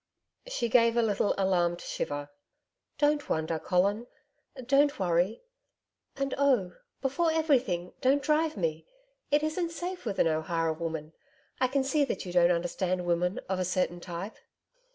She gave a little alarmed shiver. 'Don't wonder, Colin. Don't worry.... And oh! before everything, don't drive me it isn't safe with an O'Hara woman. I can see that you don't understand women of a certain type.'